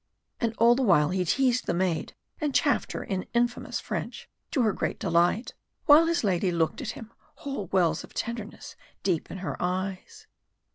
And all the while he teased the maid, and chaffed her in infamous French, to her great delight, while his lady looked at him, whole wells of tenderness deep in her eyes.